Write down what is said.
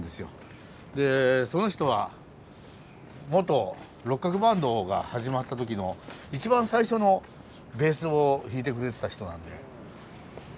でその人は元六角バンドが始まった時の一番最初のベースを弾いてくれてた人なんで。